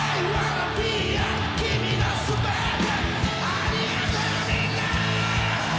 ありがとうみんな！